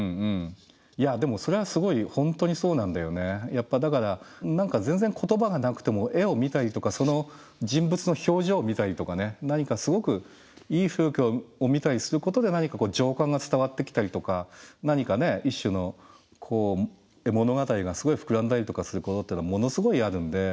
やっぱだから何か全然言葉がなくても絵を見たりとかその人物の表情を見たりとかね何かすごくいい風景を見たりすることで何か情感が伝わってきたりとか何か一種の物語がすごい膨らんだりとかすることってのはものすごいあるので。